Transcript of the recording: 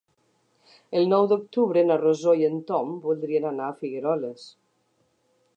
El nou d'octubre na Rosó i en Tom voldrien anar a Figueroles.